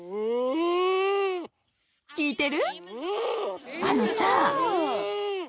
聞いてる？